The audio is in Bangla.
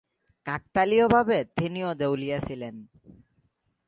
কাকতালীয়ভাবে তিনিও দেউলিয়া ছিলেন।